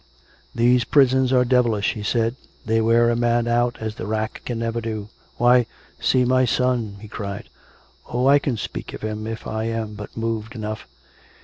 "These prisons are devilish," he said; "they wear a man out as the rack can never do. Why, see my son I " he cried. " Oh ! I can speak of him if I am but moved enough